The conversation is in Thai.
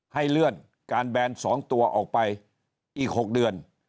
ให้เลื่อนการแบน๒ตัวออกไปอีก๖เดือน